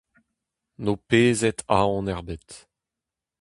N' ho pezet aon ebet.